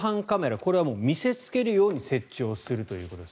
これは見せつけるように設置をするということです。